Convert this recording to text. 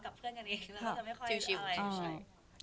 จะไม่ค่อยชิว